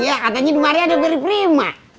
iya katanya dimari ada barry prima